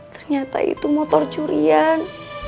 ternyata itu motor curian